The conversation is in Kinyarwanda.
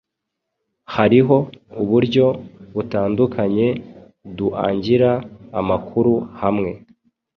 Hariho uburyo butandukanye duangira amakuru hamwe